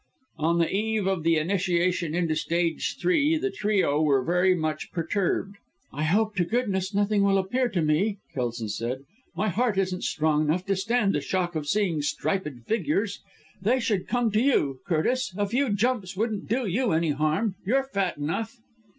On the eve of the initiation into Stage Three, the trio were very much perturbed. "I hope to goodness nothing will appear to me," Kelson said. "My heart isn't strong enough to stand the shock of seeing striped figures. They should come to you, Curtis a few jumps wouldn't do you any harm you're fat enough."